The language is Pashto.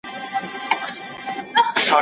ټولنه تل بدلېږي.